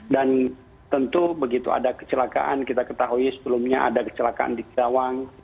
dan tentu begitu ada kecelakaan kita ketahui sebelumnya ada kecelakaan di kawang